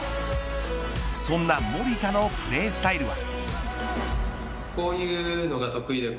そんな守田のプレースタイルは。